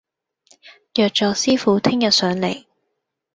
約咗師傅聽日上嚟